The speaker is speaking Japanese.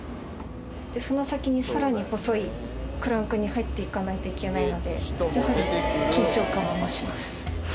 その先にさらに細いクランクに入っていかないといけないので、やはり緊張感は増します。